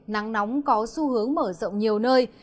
nắng nóng có xu hướng mở rộng nhiều nơi